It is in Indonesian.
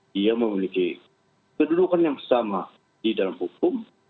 dia memiliki kedudukan yang sama di dalam hukum